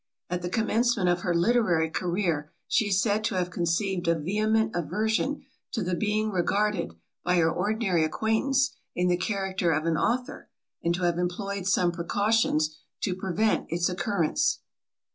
At the commencement of her literary carreer, she is said to have conceived a vehement aversion to the being regarded, by her ordinary acquaintance, in the character of an author, and to have employed some precautions to prevent its occurrence.